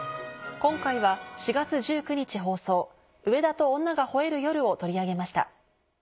今回は４月１９日放送『上田と女が吠える夜』を取り上げました。